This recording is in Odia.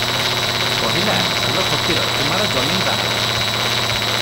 କହିଲା - ହାଲୋ ଫକୀର, ତୁମାରା ଜମିନ୍ ବାହାଲ ।"